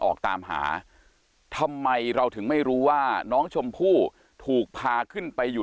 ออกตามหาทำไมเราถึงไม่รู้ว่าน้องชมพู่ถูกพาขึ้นไปอยู่